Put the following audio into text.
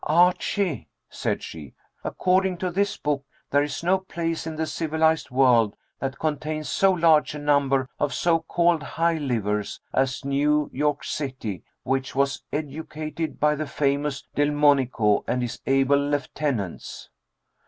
"Archie," said she, "according to this book, there is no place in the civilized world that contains so large a number of so called high livers as New York City, which was educated by the famous Delmonico and his able lieutenants."